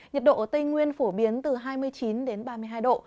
nhiệt độ ở tây nguyên phổ biến từ hai mươi chín đến ba mươi hai độ